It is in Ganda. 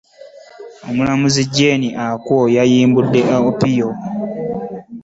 Omulamuzi Jane Okuo Kajuga y'ayimbudde Opio